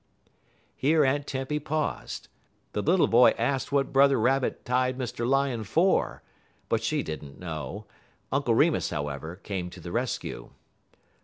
Here Aunt Tempy paused. The little boy asked what Brother Rabbit tied Mr. Lion for; but she did n't know; Uncle Remus, however, came to the rescue.